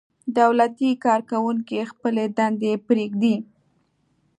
دولتي کارکوونکي خپلې دندې پرېږدي.